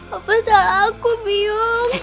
apa salah aku biyung